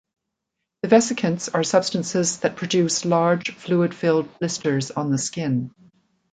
The vesicants are substances that produce large fluid-filled blisters on the skin.